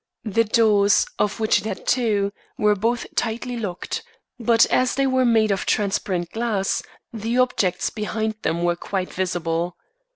The doors, of which it had two, were both tightly locked; but as they were made of transparent glass, the objects behind them were quite visible.